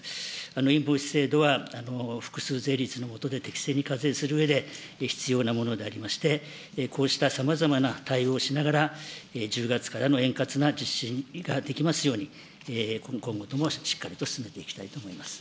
インボイス制度は複数税率のもとで適正に課税するうえで必要なものでありまして、こうしたさまざまな対応をしながら、１０月からの円滑な実施ができますように、今後ともしっかりと進めていきたいと思います。